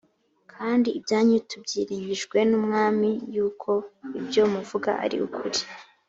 kandi ibyanyu tubyiringijwe n’umwami yuko ibyo muvuga ari ukuri